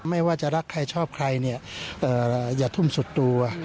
ไม่ว่าจะรักใครชอบใครเนี่ยอย่าทุ่มสุดตัว